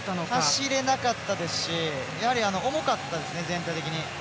走れなかったですしやはり重かったですね、全体的に。